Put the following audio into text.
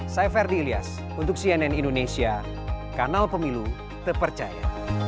saya ferdi ilyas untuk cnn indonesia kanal pemilu terpercaya